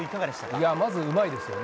いや、まず、うまいですね。